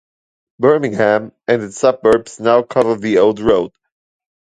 Birmingham and its suburbs now cover the old road.